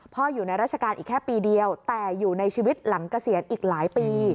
อยู่ในราชการอีกแค่ปีเดียวแต่อยู่ในชีวิตหลังเกษียณอีกหลายปี